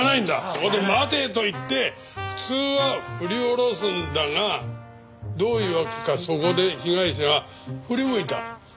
そこで「待て！」と言って普通は振り下ろすんだがどういうわけかそこで被害者が振り向いた。